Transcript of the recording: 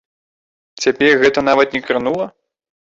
Цябе гэта нават не кранула?